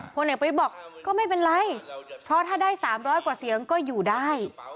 ผลเอกประวิทย์บอกก็ไม่เป็นไรเพราะถ้าได้๓๐๐กว่าเสียงก็อยู่ได้